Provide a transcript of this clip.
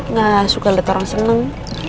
nggak suka lihat orang seneng